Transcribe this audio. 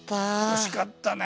惜しかったね！